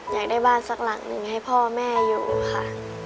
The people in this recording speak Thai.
อยากได้บ้านสักหลังหนึ่งให้พ่อแม่อยู่ค่ะ